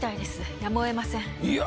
やむを得ませんいや